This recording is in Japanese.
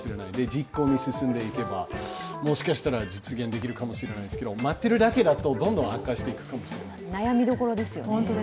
実行に進んでいけばもしかしたら実現できるかもしれないですけど待ってるだけだったら、どんどん悪化していきますよ。